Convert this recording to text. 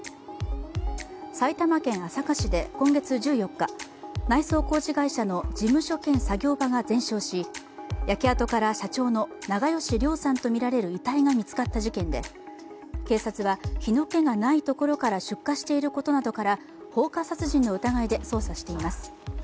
埼玉県朝霞市で今月１４日、内装工事会社の事務所兼作業場が全焼し焼け跡から社長の長葭良さんとみられる遺体が見つかった事件で警察は、火の気がない所から出火していることなどから放火殺人の疑いで捜査しています。